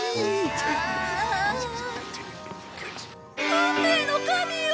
運命の神よ！